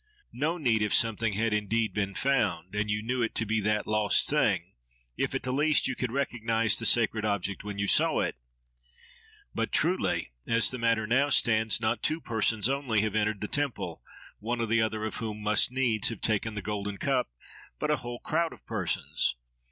—No need, if something had indeed been found, and you knew it to be that lost thing: if, at the least, you could recognise the sacred object when you saw it. But truly, as the matter now stands, not two persons only have entered the temple, one or the other of whom must needs have taken the golden cup, but a whole crowd of persons.